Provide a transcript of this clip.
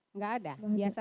enggak ada biasa saja